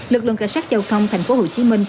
lực lượng cảnh sát giao thông tp hcm